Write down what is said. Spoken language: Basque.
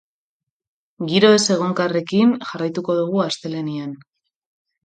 Giro ezegonkorrarekin jarraituko dugu astelehenean.